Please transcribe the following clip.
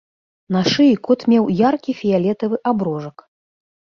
На шыі кот меў яркі фіялетавы аброжак.